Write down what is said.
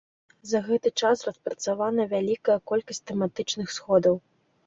За гэты час распрацавана вялікая колькасць тэматычных сходаў.